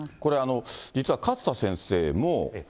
これ、実は勝田先生も。